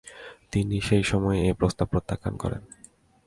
তিনি সেই সময় এই প্রস্তাব প্রত্যাখ্যান করেন।